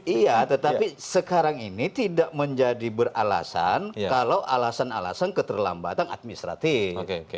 iya tetapi sekarang ini tidak menjadi beralasan kalau alasan alasan keterlambatan administratif